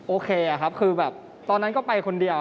โอเคตอนนั้นก่อนไปคนเดียว